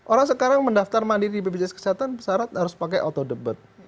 orang sekarang mendaftar mandiri di bpjs kesehatan syarat harus pakai auto debit